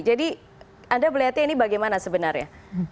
jadi anda melihatnya ini bagaimana sebenarnya